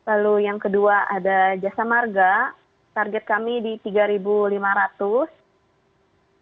lalu yang kedua ada jasa marga target kami di rp tiga lima ratus